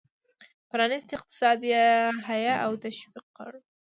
پرانیستی اقتصاد یې حیه او تشویق کړ.